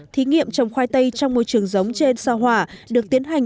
thí nghiệm trồng khoai tây trong môi trường giống trên sao hỏa được tiến hành